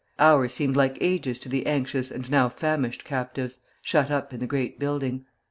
Hours seemed ages to the anxious and now famished captives, shut up in the great building.